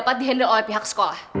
dapat di handle oleh pihak sekolah